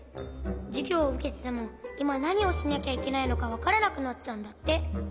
じゅぎょうをうけててもいまなにをしなきゃいけないのかわからなくなっちゃうんだって。